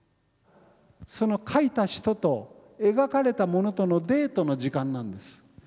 その描いた人と描かれたものとのデートの時間なんです。